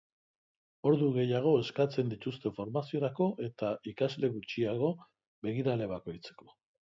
Ordu gehiago eskatzen dituzte formaziorako eta ikasle gutxiago, begirale bakoitzeko.